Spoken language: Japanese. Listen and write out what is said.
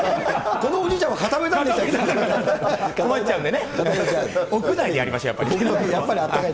このおじいちゃんは固めだなって。